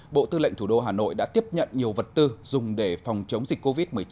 bộ tư lệnh thủ đô hà nội đã tiếp nhận nhiều vật tư dùng để phòng chống dịch covid một mươi chín